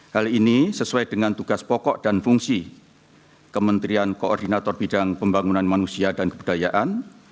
hal ini sesuai dengan tugas pokok dan fungsi kementerian koordinator bidang pembangunan manusia dan kebudayaan